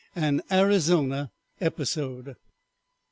AN ARIZONA EPISODE.